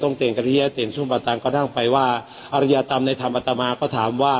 ตรงเต่งกระเทียตรงเต่งสุบัตตังค์ก็นั่งไปว่าอริยะตำในธรรมตมาก็ถามว่า